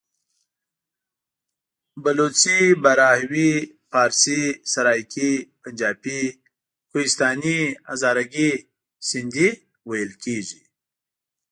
پښتو، بلوچي، براهوي، فارسي، سرایکي، پنجابي، کوهستاني، هزارګي، سندهي..ویل کېژي.